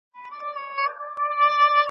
¬ وږی په خوب ډوډۍ ويني.